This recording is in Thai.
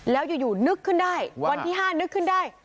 แล้วอยู่นึกขึ้นได้วันที่๕นึกขึ้นได้